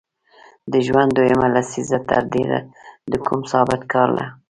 د ژوند دویمه لسیزه تر ډېره د کوم ثابت کار له